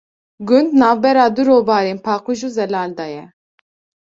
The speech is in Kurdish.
Gund navbera du robarên paqij û zelal da ye.